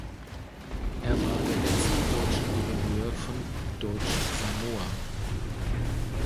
Er war der letzte deutsche Gouverneur von Deutsch-Samoa.